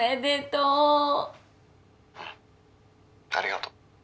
☎うんありがとう